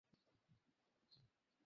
এদের অন্যতম হলেন খালিদ।